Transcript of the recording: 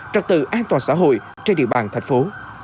trật tự an toàn xã hội trên địa bàn thành phố